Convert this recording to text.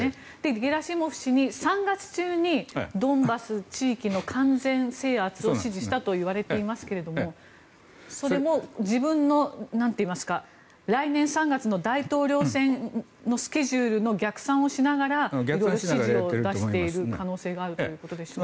ゲラシモフ氏に３月中にドンバス地域の完全制圧を指示したといわれていますがそれも自分の、来年３月の大統領選のスケジュールの逆算をしながら指示を出している可能性があるということでしょうか。